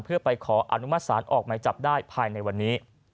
เพื่อไปขออนุมัติศาลออกหมายจับได้ภายในวันนี้